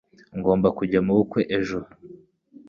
Ngomba kujya mubukwe ejo.